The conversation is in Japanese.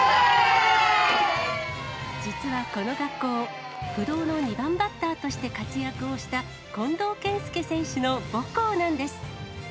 実はこの学校、不動の２番バッターとして活躍をした、近藤健介選手の母校なんです。